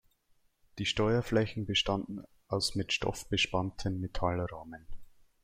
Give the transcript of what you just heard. Die Steuerflächen bestanden aus mit Stoff bespannten Metallrahmen.